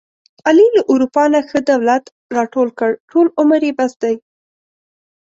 علي له اروپا نه ښه دولت راټول کړ، ټول عمر یې بس دی.